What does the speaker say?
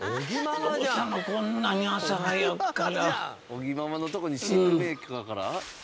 「尾木ママのとこに寝具メーカーから？」